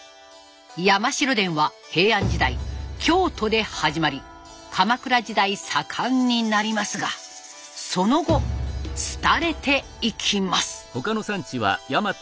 山城伝は平安時代京都で始まり鎌倉時代盛んになりますがその後廃れていきます。